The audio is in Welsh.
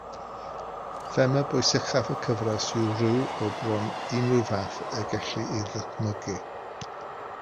Thema bwysicaf y gyfres yw rhyw o bron unrhyw fath y gellir ei ddychmygu.